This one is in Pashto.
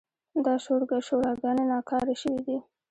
دا شوراګانې ناکاره شوې دي.